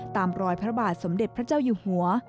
ตามรอยพระบาทสมเด็จพระเจ้าอยู่หัว